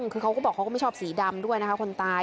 คือเขาก็บอกเขาก็ไม่ชอบสีดำด้วยนะคะคนตาย